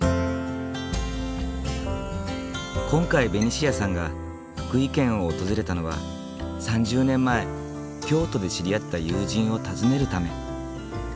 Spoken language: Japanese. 今回ベニシアさんが福井県を訪れたのは３０年前京都で知り合った友人を訪ねるため。